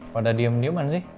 pada diem diuman sih